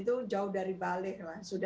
itu jauh dari balik